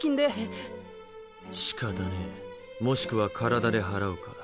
しかたねもしくは体で払うか。